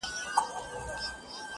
د ابوجهل د غرور په اجاره ختلی،